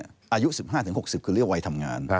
อายุ๑๕๖๐คือเรียกวัยทำงาน